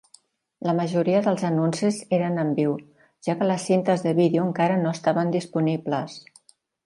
La majoria dels anuncis eren en viu, ja que les cintes de vídeo encara no estaven disponibles.